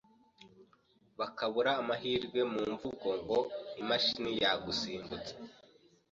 bakabura amahirwe mu mvugo ngo imashini yagusimbutse